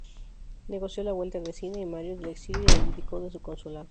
Negoció la vuelta de Cinna y Mario del exilio y abdicó de su consulado.